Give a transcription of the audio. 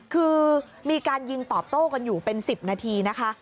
คือมีการยิงตอบโต้กันอยู่เป็น๑๐นาทีนะคะ